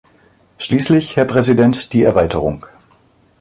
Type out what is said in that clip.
Schließlich, Herr Präsident, die Erweiterung.